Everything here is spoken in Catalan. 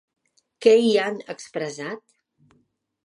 Què hi han expressat?